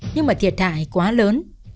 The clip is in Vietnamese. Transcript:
nhưng mà thiệt hại quá lớn